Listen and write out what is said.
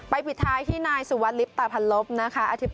ปิดท้ายที่นายสุวัสดลิปตาพันลบนะคะ